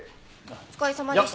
お疲れさまでした。